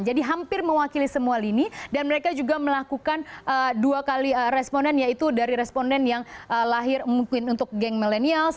jadi hampir mewakili semua lini dan mereka juga melakukan dua kali responden yaitu dari responden yang lahir mungkin untuk geng millennials